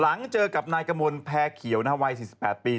หลังเจอกับนายกระมวลแพร่เขียววัย๔๘ปี